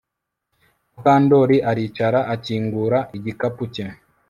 Mukandoli aricara akingura igikapu cye